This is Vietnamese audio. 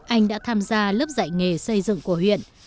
anh đã tham gia lớp dạy nghề xây dựng của huyện